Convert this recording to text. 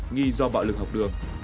nghi do bạo lực học đường